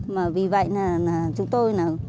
mà vì vậy là chúng tôi là